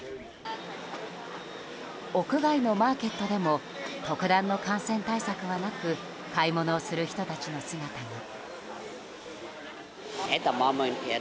屋外のマーケットでも特段の感染対策はなく買い物をする人たちの姿が。